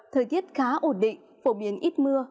thời tiết khá ổn định phổ biến ít mưa